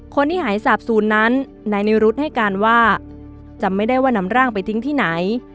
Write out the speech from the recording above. คนที่หายสาบศูนย์นั้นนายนิรุธให้การว่าจำไม่ได้ว่านำร่างไปทิ้งที่ไหน